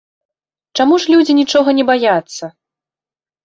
Чаму ж людзі нічога не баяцца?